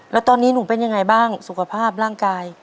แล้วตอนนี้หนูเป็นยังไงบ้างสุขภาพร่างกาย